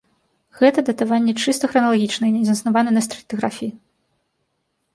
Гэта датаванне чыста храналагічнае і не заснавана на стратыграфіі.